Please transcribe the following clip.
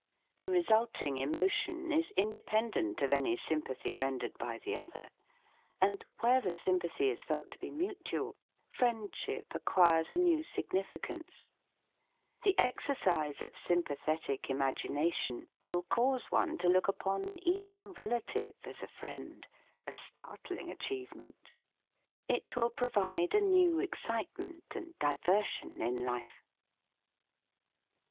The resulting emotion is independent of any sympathy rendered by the other ; [87 THE FEAST OF ST FRIEND and where the sympathy is felt to be mutual, friendship acquires a new sig nificance. The exercise of sympathetic imagination will cause one to look upon even a relative as a friend — a startling achievement! It will provide a new excitement and diversion in life.